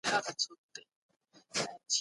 خو پایله یې ډېره خوږه او ګټوره ده.